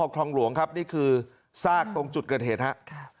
คลองหลวงครับนี่คือซากตรงจุดเกิดเหตุครับ